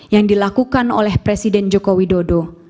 yang dilakukan oleh presiden joko widodo